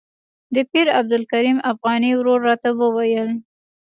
د پیر عبدالکریم افغاني ورور راته وویل.